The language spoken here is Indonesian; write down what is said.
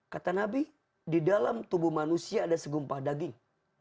kata nabi di dalam tubuh manusia ada segumpah daging